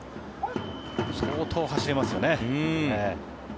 相当走れますよね。